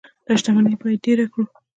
دا شتمني باید ډیره کړو.